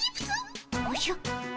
おじゃ？